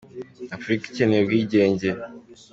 Afurika ikeneye ubwigenge.